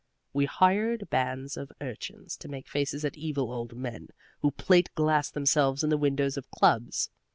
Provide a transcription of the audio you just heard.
We hired bands of urchins to make faces at evil old men who plate glass themselves in the windows of clubs.